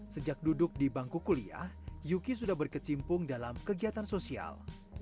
sejak duduk di bangku kuliah yuki sudah berkecimpung dalam kegiatan sosial